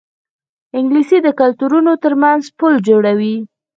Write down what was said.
انګلیسي د کلتورونو ترمنځ پل جوړوي